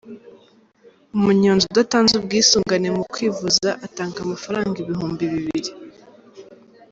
Umunyonzi udatanze ubwisungne mu kwivuza atanga amafaranga ibihumbi bibiri.